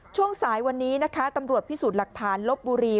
ช่วงสายวันนี้นะคะตำรวจพิสูจน์หลักฐานลบบุรี